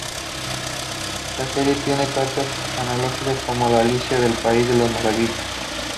La serie tiene ciertas analogías con Alicia en el país de las maravillas.